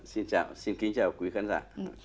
xin kính chào quý khán giả